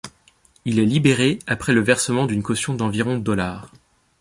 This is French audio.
Il est libéré après le versement d'une caution d'environ dollars.